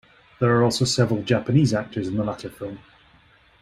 There are also several Japanese actors in the latter film.